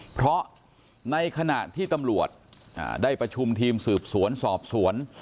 เพราะในขณะที่ตำรวจได้ประชุมทีมสืบสวนสอบสวน